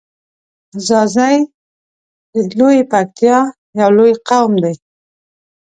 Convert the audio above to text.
ځاځی د لویی پکتیا یو لوی قوم دی.